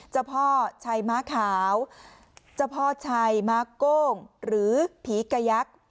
เจ้าพ่อชัยม้าขาวเจ้าพ่อชัยม้าโก้งหรือผีกะยักษ์